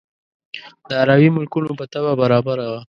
د عربي ملکونو په طبع برابره وه.